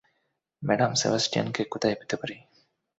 Madam Sebastian কে কোথায় পেতে পারি?